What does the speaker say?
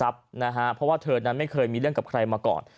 เพราะว่าเธอนั้นไม่เคยมีเรื่องกับใครมาก่อน